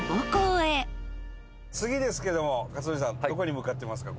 次ですけども克典さんどこに向かってますか？